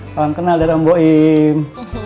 salam kenal dari om bu im